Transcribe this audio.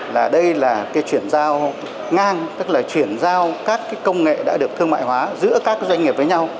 là đây là cái chuyển giao ngang tức là chuyển giao các cái công nghệ đã được thương mại hóa giữa các doanh nghiệp với nhau